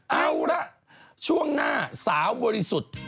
เอาละช่วงหน้าสาวบริสุทธิ์